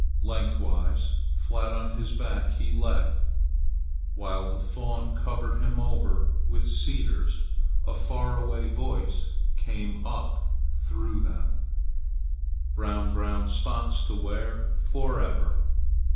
Lengthwise, flat on his back, he lay. While the fawn covered him over with cedars, a far away voice came up through them, "Brown, brown spots to wear forever!"